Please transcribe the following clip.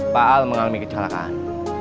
pak al mengalami kecelakaan